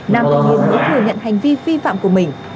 nam thanh niên mới thừa nhận hành vi vi phạm của mình